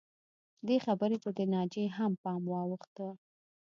دې خبرې ته د ناجیې هم پام واوښته